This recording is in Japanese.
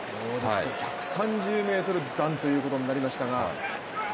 １３０ｍ弾ということになりましたが。